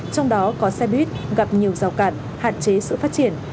trong đó có xe buýt gặp nhiều rào cản hạn chế sự phát triển